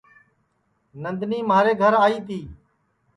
نندنی مھارے گھر آئی تی